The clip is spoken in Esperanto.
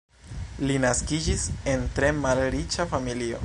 Li naskiĝis en tre malriĉa familio.